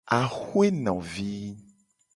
Axwenovi.